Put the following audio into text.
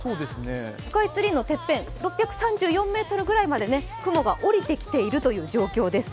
スカイツリーのてっぺん６３４ｍぐらいまで雲が下りてきている状況です。